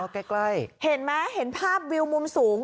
ใกล้เห็นไหมเห็นภาพวิวมุมสูง